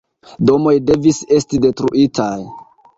Domoj devis esti detruitaj.